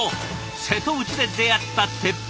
瀬戸内で出会った鉄板ランチ。